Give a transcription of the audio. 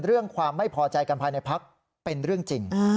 เรื่องความไม่พอใจกันภายในพักเป็นเรื่องจริง